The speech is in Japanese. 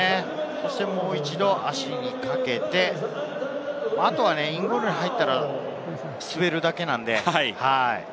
そして、もう一度、足にかけて、あとはインゴールに入ったら滑るだけなので。